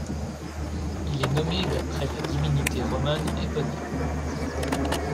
Il est nommé d'après la divinité romaine éponyme.